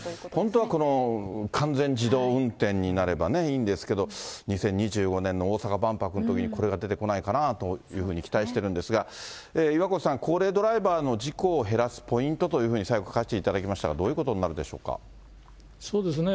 本当はこの完全自動運転になればね、いいんですけれども、２０２５年の大阪万博のときに、これが出てこないかなというふうに期待してるんですが、岩越さん、高齢ドライバーの事故を減らすポイントというふうに最後、書かせていただきましたが、どういうことになるでしょうか。